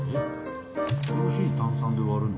コーヒー炭酸で割るの？